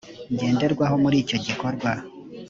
ngenderwaho muri icyo gikorwa